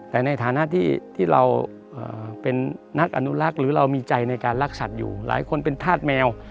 แต่ในฐานะที่เราเป็นนักอนุรักษ์หรือเรามีใจในการรักสัตว์อยู่หลายคนเป็นธาตุแมว